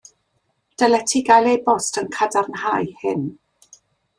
Dylet ti gael e-bost yn cadarnhau hyn.